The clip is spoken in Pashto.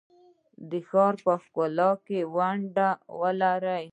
د ښار په ښکلا کې ونډه لري؟